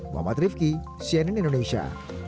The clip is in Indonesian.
muhammad rifqi cnn indonesia